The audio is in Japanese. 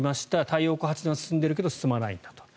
太陽光発電は進んでいるけど進まないんだと。